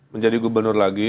menjadi gubernur lagi